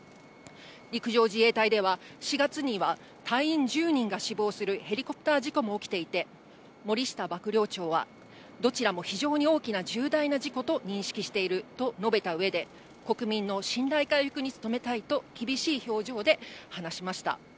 陸上自衛隊では、４月には隊員１０人が死亡するヘリコプター事故も起きていて、森下幕僚長は、どちらも非常に大きな重大な事故と認識していると述べたうえで、国民の信頼回復に努めたいと、厳しい表情で話しました。